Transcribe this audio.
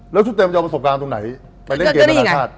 แล้วชุดเต็มจะเอามาสกลางตรงไหนไปเล่นเกมประหลาดชาติ